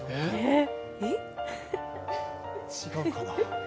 違うかな？